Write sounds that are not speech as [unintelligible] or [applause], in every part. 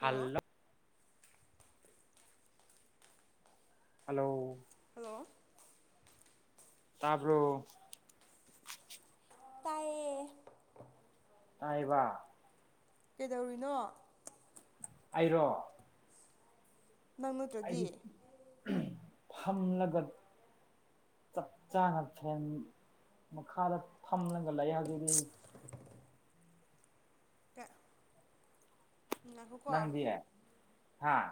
Hello hello hello ꯇꯥꯕꯔꯣ꯫ ꯇꯥꯏꯌꯦ ꯇꯥꯏꯌꯦꯕꯥ ꯫ ꯀꯩꯗꯧꯔꯤꯅꯣ꯫ ꯑꯩꯔꯣ꯫ ꯅꯪ ꯅꯠꯇ꯭ꯔꯗꯤ꯫ ꯐꯝꯂꯒꯠ ꯆꯞ ꯆꯥꯅ ꯐꯦꯟ ꯃꯈꯥꯗ ꯐꯝꯂꯒ ꯂꯩ ꯍꯧꯖꯤꯗꯤ꯫ ꯀ ꯅꯪꯗꯤ ꯍꯥꯥ꯫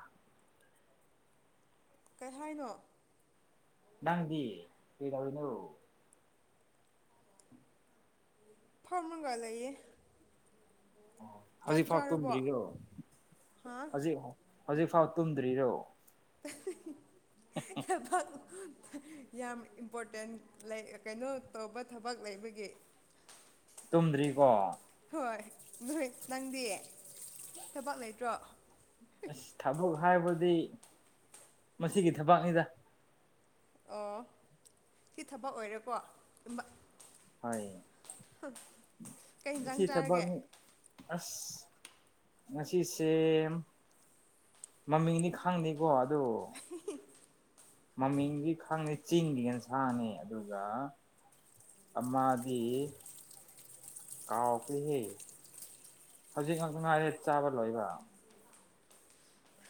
ꯀꯩ ꯍꯥꯏꯅꯣ ꯅꯪꯗꯤ ꯀꯩꯗꯧꯔꯤꯅꯣ ꯐꯝꯔꯒ ꯂꯩꯌꯦ ꯆꯥꯛ ꯍꯧꯖꯤꯛꯐꯥꯎ ꯆꯥꯔꯕꯣ ꯇꯨꯝꯗ꯭ꯔꯤꯔꯣ ꯍꯥ ꯍꯧꯖꯤꯛ ꯍꯧꯖꯤꯛꯐꯥꯎ ꯇꯨꯝꯗ꯭ꯔꯤꯔꯣ [unintelligible] ꯊꯕꯛ ꯌꯥꯝ ꯏꯝꯄꯣꯔꯇꯦꯟ ꯂꯩ ꯀꯩꯅꯣ ꯇꯧꯕ ꯊꯕꯛ ꯂꯩꯕꯒꯤ ꯇꯨꯝꯗ꯭ꯔꯤꯀꯣ ꯍꯣꯏ ꯅꯣꯏ ꯅꯪꯗꯤ ꯊꯕꯛ ꯂꯩꯇ꯭ꯔꯣ ꯑꯁ ꯊꯕꯛ ꯍꯥꯏꯕꯗꯤ ꯃꯁꯤꯒꯤ ꯊꯕꯛꯅꯤꯗ ꯑꯣ ꯁꯤ ꯊꯕꯛ ꯑꯣꯏꯔꯦꯀꯣ ꯍꯣꯏ [unintelligible] ꯍꯝ ꯀꯩ ꯍꯤꯡꯖꯥꯡ ꯁꯤ ꯆꯥꯔꯒꯦ ꯊꯕꯛꯅꯤ ꯑꯁ ꯉꯁꯤ ꯁꯦ ꯃꯃꯤꯡꯗꯤ ꯈꯪꯗꯦꯀꯣ ꯑꯗꯨ ꯍꯤꯍꯤ ꯃꯃꯤꯡꯗꯤ ꯈꯪꯗꯦ ꯆꯤꯡꯒꯤ ꯌꯦꯟꯁꯥꯅꯤ ꯑꯗꯨꯒ ꯑꯃꯗꯤ ꯀꯥꯎꯈ꯭ꯔꯦꯍꯦ ꯍꯧꯖꯤꯛ ꯉꯥꯛꯇ ꯉꯥꯏꯔꯦ ꯆꯥꯕ ꯂꯣꯏꯕ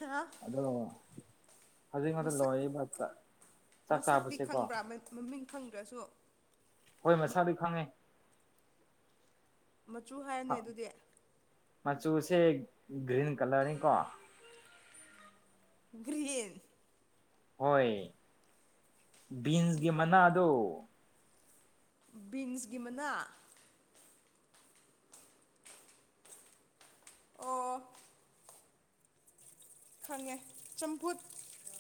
ꯍꯥ ꯍꯧꯖꯤꯛ ꯉꯥꯛꯇ ꯃꯁꯛ ꯂꯣꯢꯌꯦꯕ ꯆꯥ ꯃꯁꯛꯇꯤ ꯈꯪꯕ꯭ꯔꯥ ꯃꯃꯤꯡ ꯈꯪꯗ꯭ꯔꯁꯨ ꯍꯣꯏ ꯃꯁꯛꯗꯤ ꯈꯪꯉꯦ ꯃꯆꯨ ꯍꯥꯏꯌꯣꯅꯦ ꯑꯗꯨꯗꯤ ꯃꯆꯨꯁꯦ ꯒ꯭ꯔꯤꯟ ꯀꯂꯔꯅꯤꯀꯣ ꯒ꯭ꯔꯤꯟ ꯍꯣꯏ ꯕꯤꯟꯁꯒꯤ ꯃꯅꯥꯗꯨ ꯕꯤꯟꯁꯀꯤ ꯃꯅꯥ ꯑꯣ ꯈꯪꯉꯦ ꯆꯝꯐꯨꯠ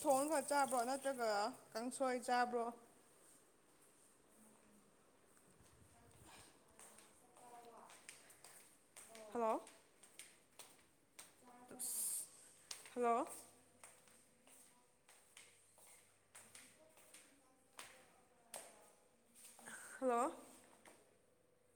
ꯊꯣꯡꯉꯒ ꯆꯥꯕ꯭ꯔꯣ ꯅꯠꯇ꯭ꯔꯒ ꯀꯥꯡꯁꯣꯏ ꯆꯥꯕ꯭ꯔꯣ ꯍꯜꯂꯣ ꯍꯜꯂꯣ ꯍꯜꯂꯣ